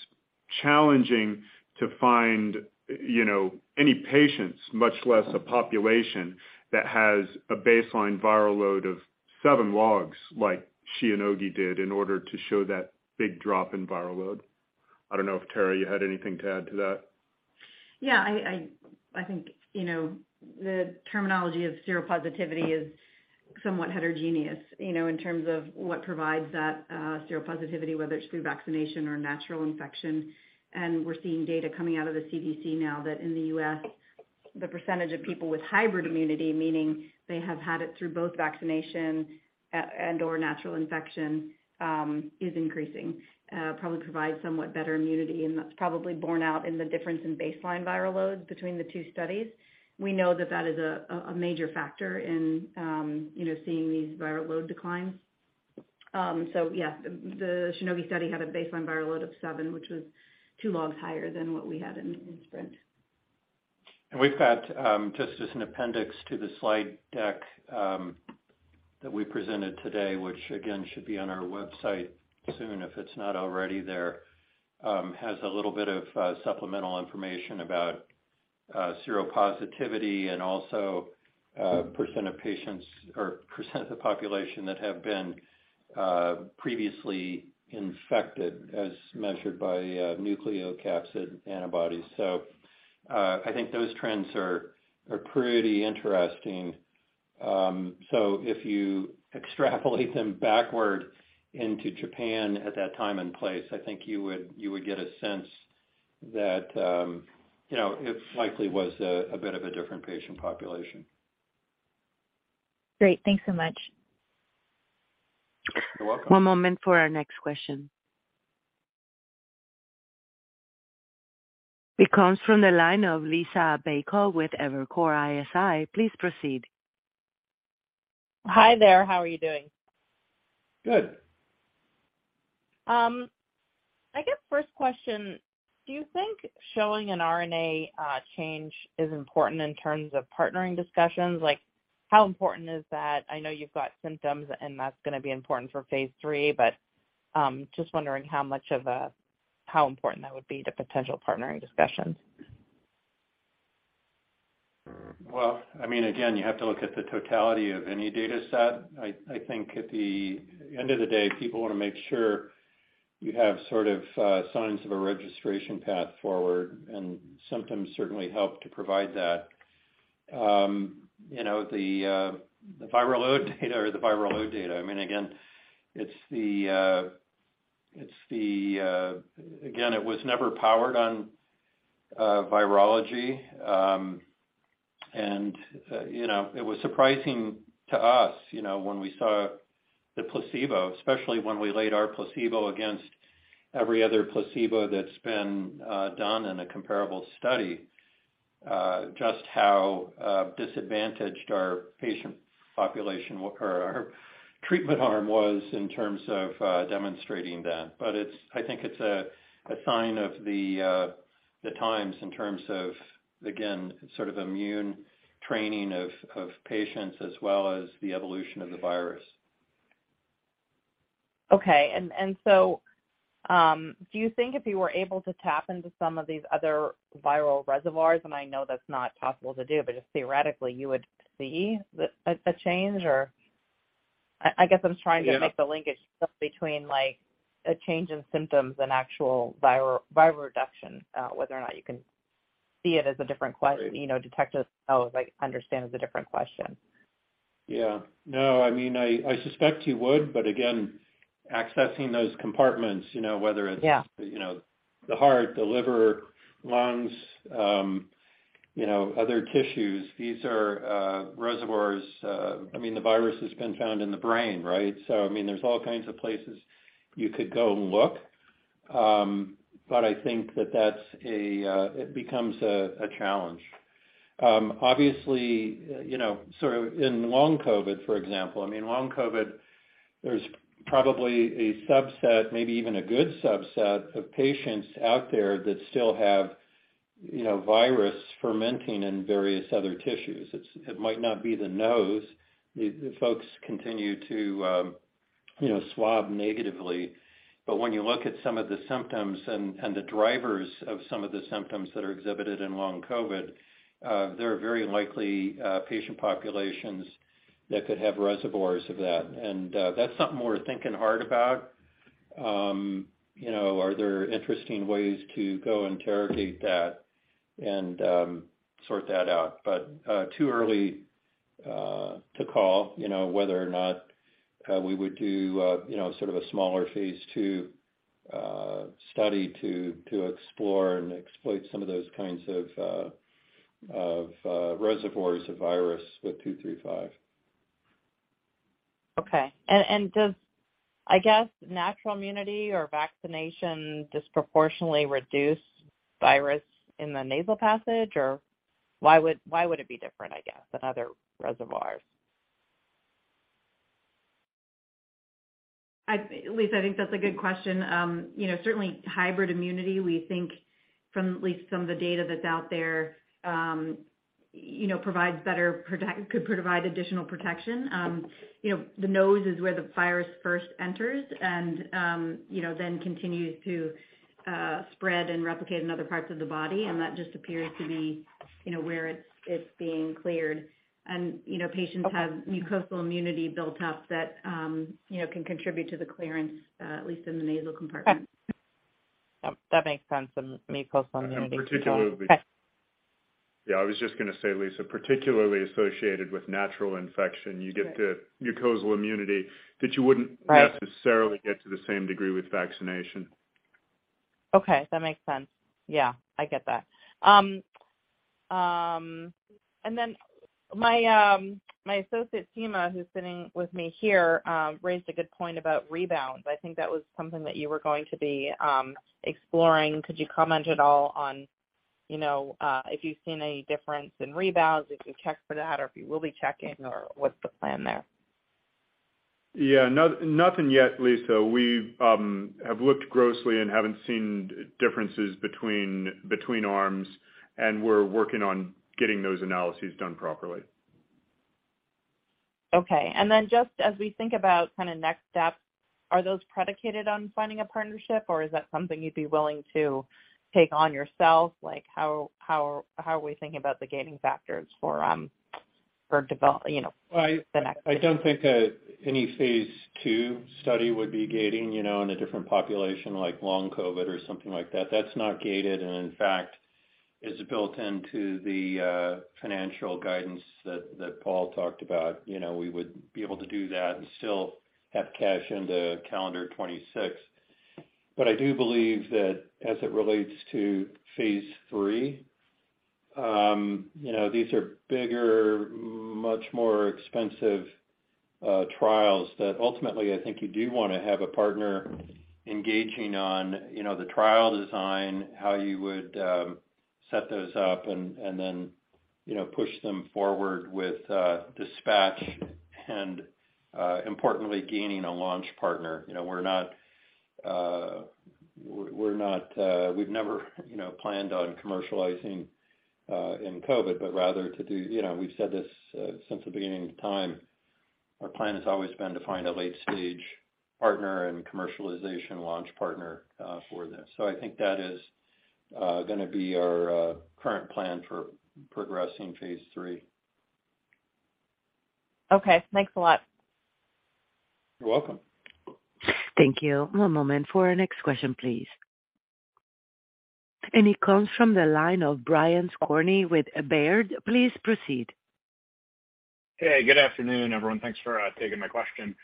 Speaker 3: challenging to find, you know, any patients, much less a population, that has a baseline viral load of 7 logs like Shionogi did in order to show that big drop in viral load. I don't know if, Terry, you had anything to add to that.
Speaker 10: I think, you know, the terminology of seropositivity is somewhat heterogeneous, you know, in terms of what provides that seropositivity, whether it's through vaccination or natural infection. We're seeing data coming out of the CDC now that in the U.S., the percentage of people with hybrid immunity, meaning they have had it through both vaccination and/or natural infection, is increasing, probably provides somewhat better immunity, and that's probably borne out in the difference in baseline viral load between the 2 studies. We know that that is a major factor in, you know, seeing these viral load declines. The Shionogi study had a baseline viral load of 7, which was 2 logs higher than what we had in SPRINT.
Speaker 3: We've got just as an appendix to the slide deck that we presented today, which again should be on our website soon, if it's not already there, has a little bit of supplemental information about seropositivity and also % of patients or % of the population that have been previously infected as measured by nucleocapsid antibodies. I think those trends are pretty interesting. If you extrapolate them backward into Japan at that time and place, I think you would get a sense that, you know, it likely was a bit of a different patient population.
Speaker 11: Great. Thanks so much.
Speaker 3: You're welcome.
Speaker 1: One moment for our next question. It comes from the line of Liisa Bayko with Evercore ISI. Please proceed.
Speaker 11: Hi there. How are you doing?
Speaker 3: Good.
Speaker 11: I guess first question, do you think showing an RNA change is important in terms of partnering discussions? Like, how important is that? I know you've got symptoms, and that's going to be important for phase three, just wondering how much of a. How important that would be to potential partnering discussions?
Speaker 3: Well, I mean, again, you have to look at the totality of any data set. I think at the end of the day, people want to make sure you have sort of, signs of a registration path forward, and symptoms certainly help to provide that. You know, the viral load data, I mean, again, it's the again, it was never powered on virology. You know, it was surprising to us, you know, when we saw the placebo, especially when we laid our placebo against every other placebo that's been done in a comparable study, just how disadvantaged our patient population or our treatment arm was in terms of demonstrating that. I think it's a sign of the times in terms of, again, sort of immune training of patients as well as the evolution of the virus.
Speaker 11: Okay. Do you think if you were able to tap into some of these other viral reservoirs, and I know that's not possible to do, but just theoretically, you would see a change or? I guess I'm trying to.
Speaker 3: Yeah.
Speaker 11: Make the linkage between like a change in symptoms and actual viral reduction, whether or not you can see it as a different.
Speaker 3: Right.
Speaker 11: You know, detect it as well as I understand is a different question.
Speaker 3: Yeah. No, I mean, I suspect you would, but again, accessing those compartments, you know, whether it's.
Speaker 11: Yeah.
Speaker 3: You know, the heart, the liver, lungs, you know, other tissues, these are reservoirs. I mean, the virus has been found in the brain, right? I mean, there's all kinds of places you could go and look. I think that that's a, it becomes a challenge. Obviously, you know, sort of in long COVID, for example, I mean, long COVID, there's probably a subset, maybe even a good subset of patients out there that still have, you know, virus fermenting in various other tissues. It might not be the nose. The folks continue to, you know, swab negatively. When you look at some of the symptoms and the drivers of some of the symptoms that are exhibited in long COVID, there are very likely, patient populations that could have reservoirs of that. That's something we're thinking hard about. You know, are there interesting ways to go interrogate that and sort that out? Too early to call, you know, whether or not we would do, you know, sort of a smaller phase 2 study to explore and exploit some of those kinds of reservoirs of virus with 235.
Speaker 11: Okay. Does, I guess, natural immunity or vaccination disproportionately reduce virus in the nasal passage or why would it be different, I guess, than other reservoirs?
Speaker 10: Lisa, I think that's a good question. you know, certainly hybrid immunity, we think from at least some of the data that's out there, you know, could provide additional protection. you know, the nose is where the virus first enters and, you know, then continues to spread and replicate in other parts of the body, and that just appears to be
Speaker 12: You know, where it's being cleared and, you know, patients have mucosal immunity built up that, you know, can contribute to the clearance, at least in the nasal compartment.
Speaker 11: That makes sense in mucosal immunity.
Speaker 4: Particularly.
Speaker 11: Okay.
Speaker 4: Yeah, I was just going to say, Liisa, particularly associated with natural infection, you get the mucosal immunity that you wouldn't.
Speaker 11: Right.
Speaker 4: Necessarily get to the same degree with vaccination.
Speaker 11: Okay, that makes sense. Yeah, I get that. My associate, Seema, who's sitting with me here, raised a good point about rebounds. I think that was something that you were going to be exploring. Could you comment at all on, you know, if you've seen any difference in rebounds, if you checked for that, or if you will be checking or what's the plan there?
Speaker 4: Yeah. Nothing yet, Lisa. We have looked grossly and haven't seen differences between arms, we're working on getting those analyses done properly.
Speaker 11: Okay. Then just as we think about kinda next steps, are those predicated on finding a partnership, or is that something you'd be willing to take on yourself? Like how are we thinking about the gating factors for, you know, the next steps?
Speaker 4: I don't think that any phase two study would be gating, you know, in a different population like long COVID or something like that. That's not gated, and in fact, it's built into the financial guidance that Paul talked about. You know, we would be able to do that and still have cash into calendar 2026. I do believe that as it relates to phase three, you know, these are bigger, much more expensive trials that ultimately I think you do want to have a partner engaging on, you know, the trial design, how you would set those up and then, you know, push them forward with dispatch and importantly, gaining a launch partner. You know, we're not. We've never, you know, planned on commercializing in COVID, but rather to do. You know, we've said this since the beginning of time. Our plan has always been to find a late-stage partner and commercialization launch partner for this. I think that is going to be our current plan for progressing phase 3.
Speaker 11: Okay, thanks a lot.
Speaker 4: You're welcome.
Speaker 1: Thank you. One moment for our next question, please. It comes from the line of Brian Skorney with Baird. Please proceed.
Speaker 13: Hey, good afternoon, everyone. Thanks for taking my question.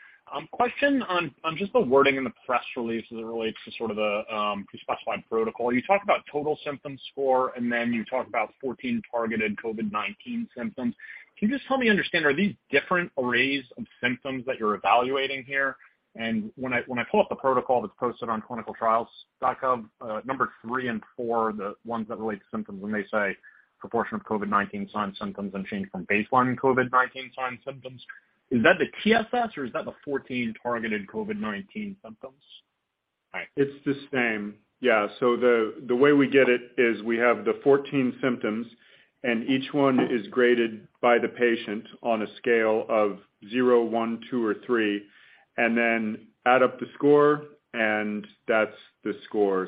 Speaker 13: Question on just the wording in the press release as it relates to sort of the pre-specified protocol. You talked about total symptom score, and then you talked about 14 targeted COVID-19 symptoms. Can you just help me understand, are these different arrays of symptoms that you're evaluating here? And when I pull up the protocol that's posted on ClinicalTrials.gov, number 3 and 4 are the ones that relate to symptoms when they say proportion of COVID-19 signs, symptoms, and change from baseline COVID-19 signs, symptoms. Is that the TSS or is that the 14 targeted COVID-19 symptoms?
Speaker 4: It's the same. Yeah. The way we get it is we have the 14 symptoms, and each one is graded by the patient on a scale of 0, 1, 2, or 3, and then add up the score, and that's the score.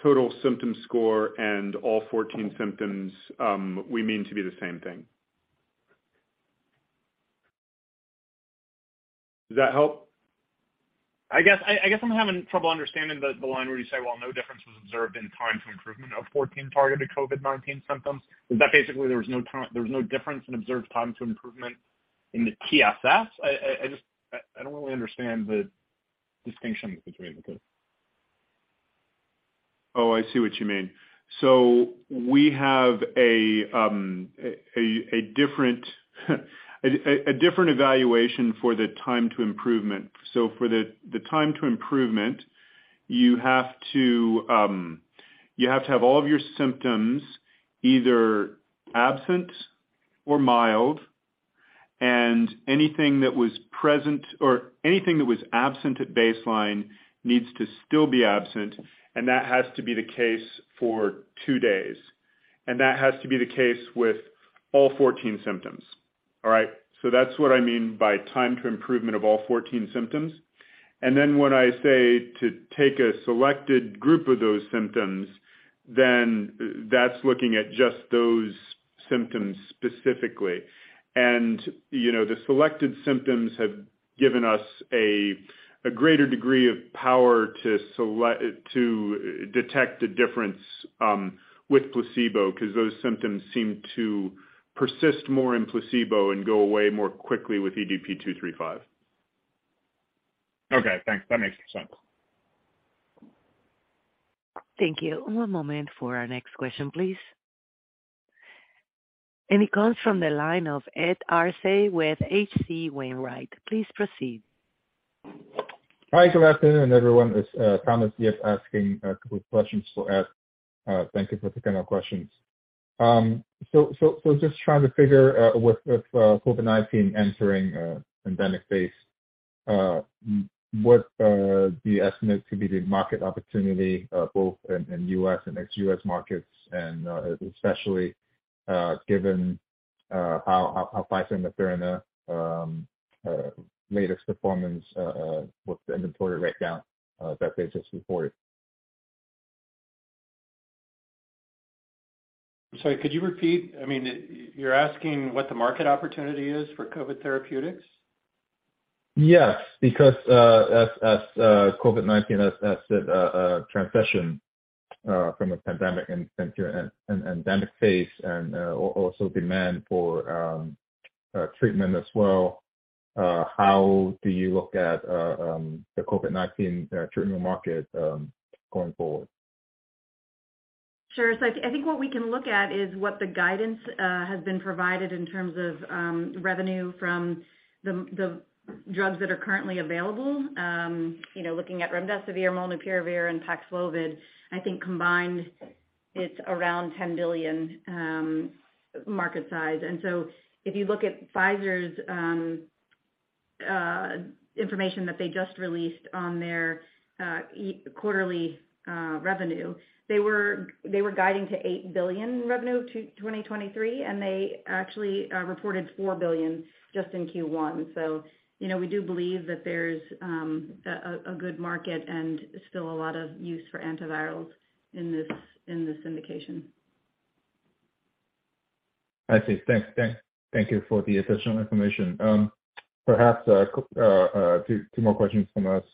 Speaker 4: Total Symptom Score and all 14 symptoms, we mean to be the same thing. Does that help?
Speaker 13: I guess, I guess I'm having trouble understanding the line where you say, well, no difference was observed in time to improvement of 14 targeted COVID-19 symptoms. Is that basically there was no difference in observed time to improvement in the TSS? I just I don't really understand the distinction between the two.
Speaker 4: Oh, I see what you mean. We have a different evaluation for the time to improvement. For the time to improvement, you have to have all of your symptoms either absent or mild, anything that was present or anything that was absent at baseline needs to still be absent, that has to be the case for 2 days. That has to be the case with all 14 symptoms. All right? That's what I mean by time to improvement of all 14 symptoms. When I say to take a selected group of those symptoms, that's looking at just those symptoms specifically. you know, the selected symptoms have given us a greater degree of power to detect a difference with placebo because those symptoms seem to persist more in placebo and go away more quickly with EDP-235.
Speaker 13: Okay, thanks. That makes more sense.
Speaker 1: Thank you. One moment for our next question, please. It comes from the line of Ed Arce with H.C. Wainwright. Please proceed.
Speaker 12: Hi, good afternoon, everyone. It's Thomas Yip asking a couple of questions for Ed. Thank you for taking our questions. just trying to figure with COVID-19 entering a endemic phase, what do you estimate to be the market opportunity, both in US and ex-US markets and especially given how Pfizer met their latest performance with the inventory write-down that they just reported?
Speaker 3: I'm sorry, could you repeat? I mean, you're asking what the market opportunity is for COVID therapeutics?
Speaker 12: Yes, because, as COVID-19 has hit a transition from a pandemic and a pandemic phase and also demand for treatment as well, how do you look at the COVID-19 treatment market going forward?
Speaker 10: Sure. I think what we can look at is what the guidance has been provided in terms of revenue from the drugs that are currently available. You know, looking at Remdesivir, Molnupiravir, and Paxlovid, I think combined it's around $10 billion market size. If you look at Pfizer's information that they just released on their quarterly revenue, they were guiding to $8 billion revenue 2023, and they actually reported $4 billion just in Q1. You know, we do believe that there's a good market and still a lot of use for antivirals in this, in this indication.
Speaker 12: I see. Thanks. Thank you for the additional information. Perhaps, two more questions from us.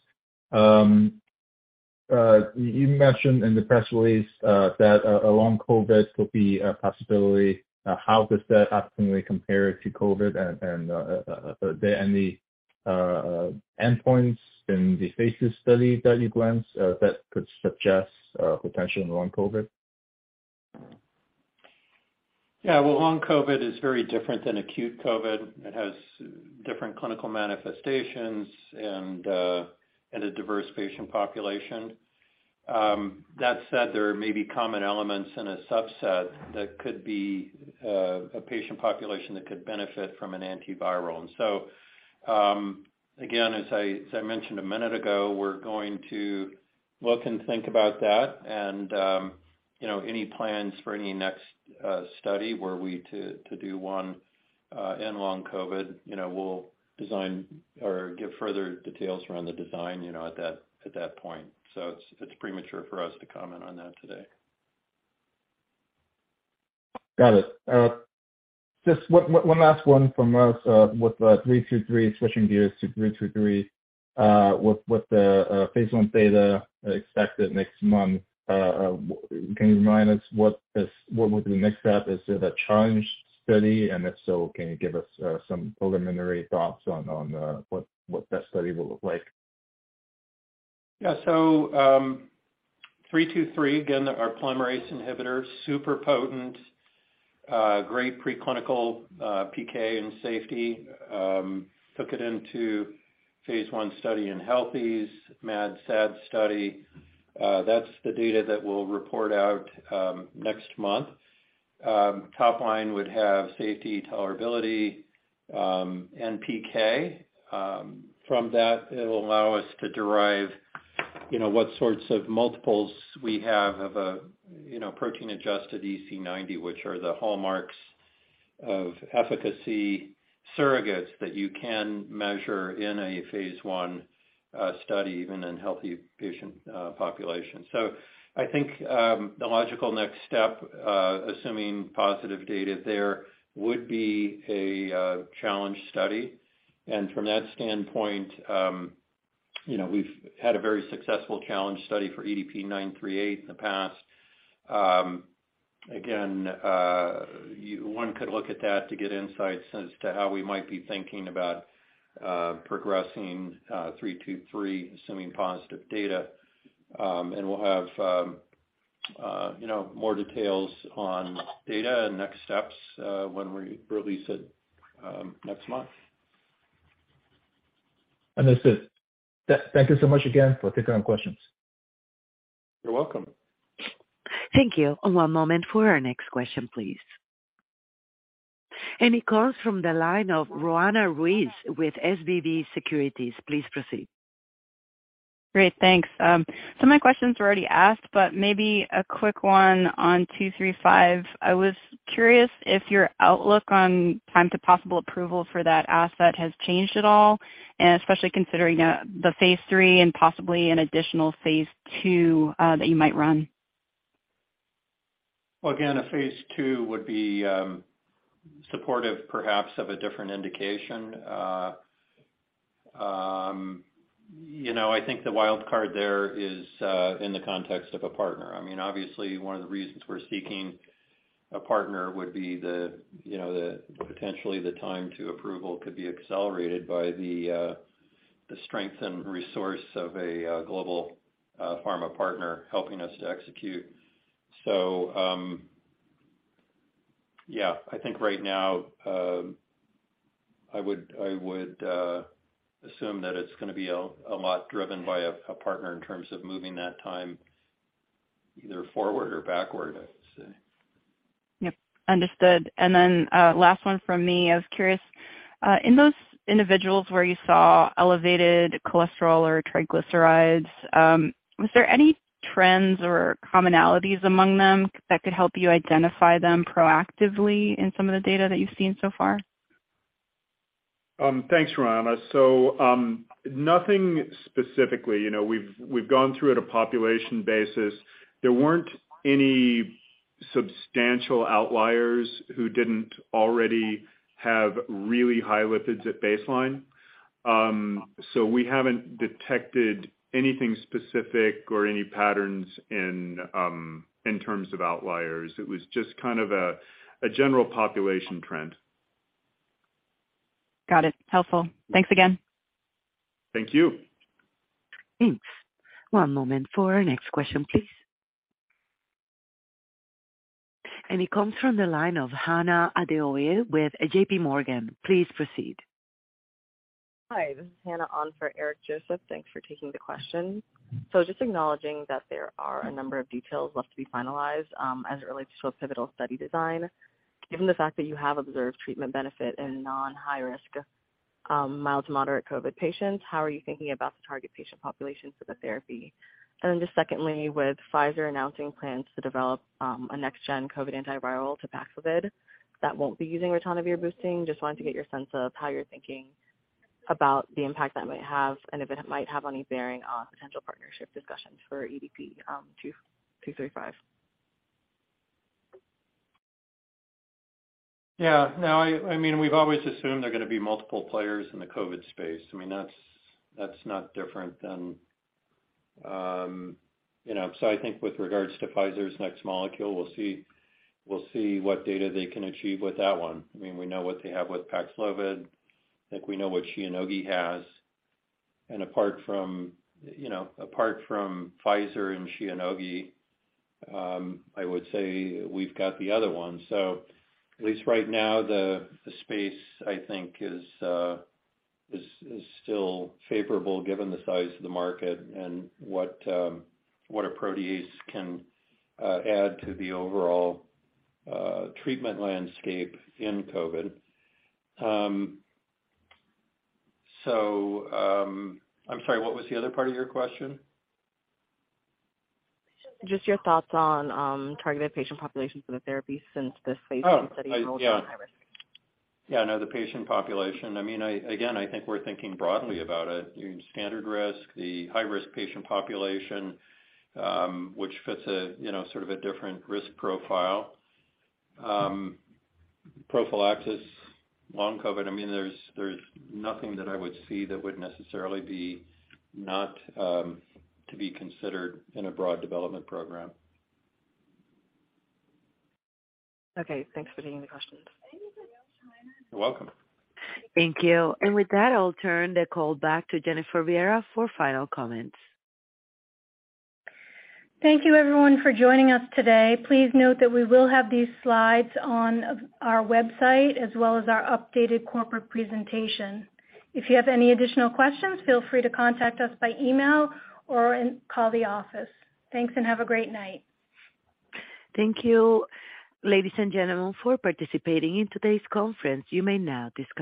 Speaker 12: You mentioned in the press release that a long COVID could be a possibility. How does that optimally compare to COVID? Are there any endpoints in the phase study that you glanced that could suggest potential in long COVID?
Speaker 3: Well, long COVID is very different than acute COVID. It has different clinical manifestations and a diverse patient population. That said, there may be common elements in a subset that could be a patient population that could benefit from an antiviral. Again, as I mentioned a minute ago, we're going to look and think about that and, you know, any plans for any next study were we to do one in long COVID, you know, we'll design or give further details around the design, you know, at that, at that point. It's premature for us to comment on that today.
Speaker 12: Got it. just one last one from us. with 323, switching gears to 323, with the phase 1 data expected next month, can you remind us what would be the next step? Is it a challenge study? If so, can you give us some preliminary thoughts on what that study will look like?
Speaker 3: Yeah. EDP-323, again, our polymerase inhibitor, super potent, great preclinical PK and safety. Took it into phase 1 study in healthies, MAD/SAD study. That's the data that we'll report out next month. Top line would have safety, tolerability, and PK. From that, it will allow us to derive, you know, what sorts of multiples we have of a, you know, protein-adjusted EC90, which are the hallmarks of efficacy surrogates that you can measure in a phase 1 study, even in healthy patient population. I think the logical next step, assuming positive data there, would be a challenge study. From that standpoint, you know, we've had a very successful challenge study for EDP-938 in the past. Again, one could look at that to get insights as to how we might be thinking about progressing EDP-323, assuming positive data. We'll have, you know, more details on data and next steps when we release it next month.
Speaker 12: Understood. Thank you so much again for taking our questions.
Speaker 3: You're welcome.
Speaker 1: Thank you. One moment for our next question, please. It comes from the line of Roanna Ruiz with SVB Securities. Please proceed.
Speaker 14: Great, thanks. Some of my questions were already asked, but maybe a quick one on EDP-235. I was curious if your outlook on time to possible approval for that asset has changed at all, and especially considering, the phase 3 and possibly an additional phase 2, that you might run.
Speaker 3: Again, a phase 2 would be supportive perhaps of a different indication. You know, I think the wild card there is in the context of a partner. I mean, obviously one of the reasons we're seeking a partner would be you know, the potentially the time to approval could be accelerated by the strength and resource of a global pharma partner helping us to execute. Yeah, I think right now, I would assume that it's going to be a lot driven by a partner in terms of moving that time either forward or backward, I would say.
Speaker 14: Yep. Understood. Last one from me. I was curious, in those individuals where you saw elevated cholesterol or triglycerides, was there any trends or commonalities among them that could help you identify them proactively in some of the data that you've seen so far?
Speaker 3: Thanks, Ramah. Nothing specifically. You know, we've gone through at a population basis. There weren't any substantial outliers who didn't already have really high lipids at baseline. We haven't detected anything specific or any patterns in terms of outliers. It was just kind of a general population trend.
Speaker 14: Got it. Helpful. Thanks again.
Speaker 3: Thank you.
Speaker 1: Thanks. One moment for our next question, please. It comes from the line of Hannah Adeoye with J.P. Morgan. Please proceed.
Speaker 15: Hi, this is Hannah on for Eric Joseph. Thanks for taking the question. Just acknowledging that there are a number of details left to be finalized as it relates to a pivotal study design. Given the fact that you have observed treatment benefit in non-high risk, mild-to-moderate COVID-19 patients, how are you thinking about the target patient population for the therapy? Just secondly, with Pfizer announcing plans to develop a next-gen COVID-19 antiviral to Paxlovid that won't be using ritonavir boosting, just wanted to get your sense of how you're thinking about the impact that might have and if it might have any bearing on potential partnership discussions for EDP-235.
Speaker 3: Yeah. No, I mean, we've always assumed there are going to be multiple players in the COVID space. I mean, that's not different than, you know. I think with regards to Pfizer's next molecule, we'll see what data they can achieve with that one. I mean, we know what they have with Paxlovid. I think we know what Shionogi has. Apart from, you know, apart from Pfizer and Shionogi, I would say we've got the other ones. At least right now the space I think is still favorable given the size of the market and what a protease can add to the overall treatment landscape in COVID. I'm sorry, what was the other part of your question?
Speaker 15: Just your thoughts on, targeted patient populations for the therapy since this phase 2.
Speaker 3: Oh, I.
Speaker 15: Study enrolled in high-risk.
Speaker 3: Yeah. Yeah. The patient population. I mean, I, again, I think we're thinking broadly about it. Standard risk, the high-risk patient population, which fits a, you know, sort of a different risk profile. Prophylaxis, long COVID. I mean, there's nothing that I would see that would necessarily be not to be considered in a broad development program.
Speaker 15: Okay. Thanks for taking the questions.
Speaker 3: You're welcome.
Speaker 1: Thank you. With that, I'll turn the call back to Jennifer Viera for final comments.
Speaker 2: Thank you everyone for joining us today. Please note that we will have these slides on our website as well as our updated corporate presentation. If you have any additional questions, feel free to contact us by email or call the office. Thanks. Have a great night.
Speaker 1: Thank you, ladies and gentlemen, for participating in today's conference. You may now disconnect.